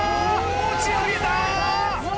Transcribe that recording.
持ち上げたー！